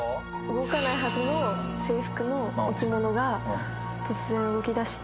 動かないはずの制服の置物が突然動きだして。